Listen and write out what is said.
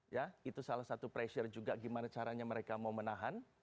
ya itu salah satu pressure juga gimana caranya mereka mau menahan